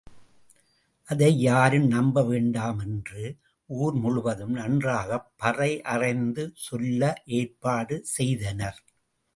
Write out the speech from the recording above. ஆதை யாரும் நம்ப வேண்டாம் என்று ஊர் முழுவதும் நன்றாகப் பறை அறைந்து சொல்ல ஏற்பாடு செய்தனர்.